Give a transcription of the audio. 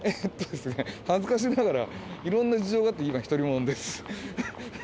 恥ずかしながら、いろんな事情があって、今、独り者です。